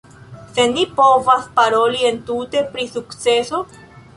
Se ni povas paroli entute pri sukceso?